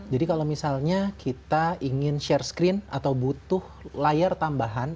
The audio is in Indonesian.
jadi kalau misalnya kita ingin share screen atau butuh layar tambahan